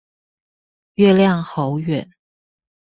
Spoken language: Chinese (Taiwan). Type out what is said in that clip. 月亮好遠